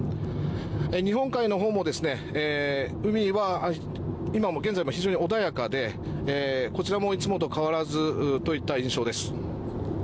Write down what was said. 日本海のほうも海は今現在も非常に穏やかでこちらもいつもと変わらずといった印象です。